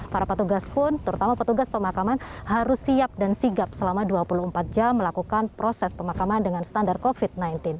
para petugas pun terutama petugas pemakaman harus siap dan sigap selama dua puluh empat jam melakukan proses pemakaman dengan standar covid sembilan belas